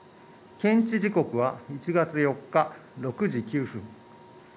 検知時刻は１月４日６時９分。